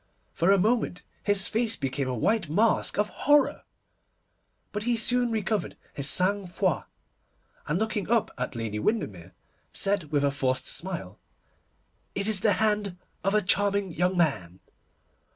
For a moment his face became a white mask of horror, but he soon recovered his sang froid, and looking up at Lady Windermere, said with a forced smile, 'It is the hand of a charming young man.